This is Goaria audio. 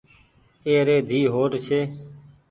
اي ري ڌي هوٽ ڇي۔